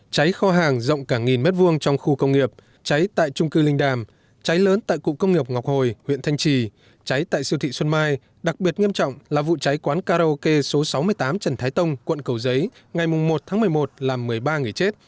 cháy kho hàng rộng cả nghìn mét vuông trong khu công nghiệp cháy tại trung cư linh đàm cháy lớn tại cụng công nghiệp ngọc hồi huyện thanh trì cháy tại siêu thị xuân mai đặc biệt nghiêm trọng là vụ cháy quán karaoke số sáu mươi tám trần thái tông quận cầu giấy ngày một tháng một mươi một làm một mươi ba người chết